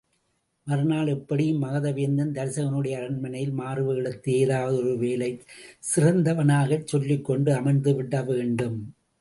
மறுநாள் எப்படியும் மகத வேந்தன் தருசகனுடைய அரண்மனையில், மாறுவேடத்துடன் ஏதாவது ஒருவேலையிற் சிறந்தவனாகச் சொல்லிக்கொண்டு அமர்ந்து விடவேண்டும்.